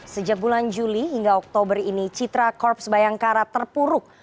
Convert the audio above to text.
sejak bulan juli hingga oktober ini citra korps bayangkara terpuruk